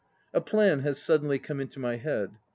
A plan has suddenly come into my head.